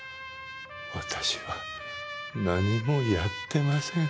私は何もやってません。